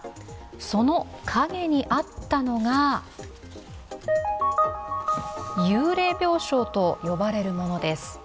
その陰にあったのが、幽霊病床と呼ばれるものです。